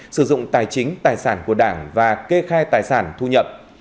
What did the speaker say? sử dụng tài chính tài sản của đảng và kê khai tài sản thu nhập